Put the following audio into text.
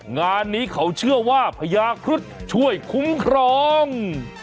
งานนี้เขาเชื่อว่าพญาครุฑช่วยคุ้มครอง